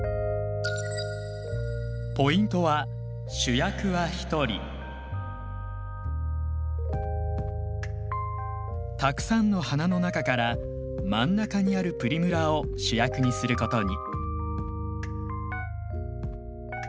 ポイントはたくさんの花の中から真ん中にあるプリムラを主役にすることに。